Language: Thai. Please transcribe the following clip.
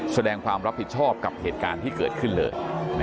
แสดงความรับผิดชอบกับเหตุการณ์ที่เกิดขึ้นเลย